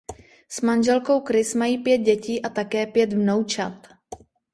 S manželkou Kris mají pět dětí a také pět vnoučat.